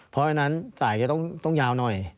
เพราะฉะนั้นสายจะต้องยาวหน่อย